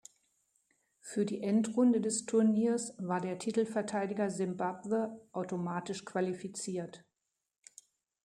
Für die Endrunde des Turniers war der Titelverteidiger Simbabwe automatisch qualifiziert.